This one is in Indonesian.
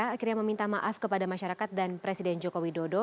akhirnya meminta maaf kepada masyarakat dan presiden jokowi dodo